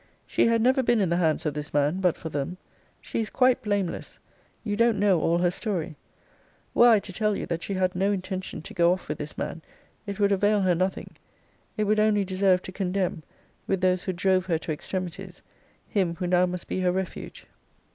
She had never been in the hands of this man, but for them. She is quite blameless. You don't know all her story. Were I to tell you that she had no intention to go off with this man, it would avail her nothing. It would only deserve to condemn, with those who drove her to extremities, him who now must be her refuge.